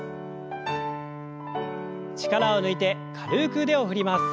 力を抜いて軽く腕を振ります。